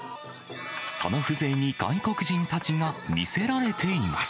その風情に外国人たちが魅せられています。